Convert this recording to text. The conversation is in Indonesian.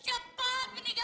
umi aku mau ke rumah